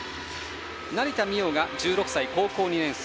成田実生が１６歳、高校２年生。